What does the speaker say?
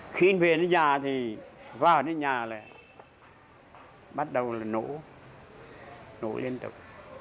khi anh về đến nhà thì vào đến nhà là bắt đầu là nổ nổ liên tục